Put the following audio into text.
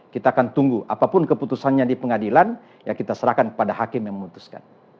kita akan tunggu apapun keputusannya di pengadilan ya kita serahkan kepada hakim yang memutuskan